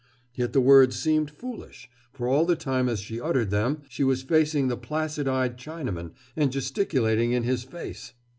Yet the words seemed foolish, for all the time as she uttered them, she was facing the placid eyed Chinaman and gesticulating in his face.